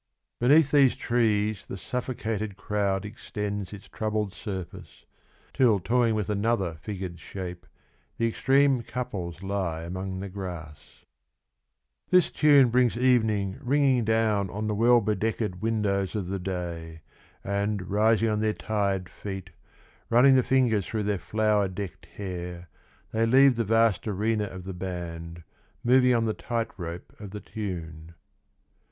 Beneath these trees The suffocated crowd extends Its troubled surface, Till toying with another figured shape The extreme couples lie among the grass. 32 Valse Estudiantina. This tune brings evening ringing clown On the well bedecked windows of the day, And rising on their tired feet, Running the fingers through their tlower decked hair They leave the vast arena of the band Moving on the tight rope of the tune.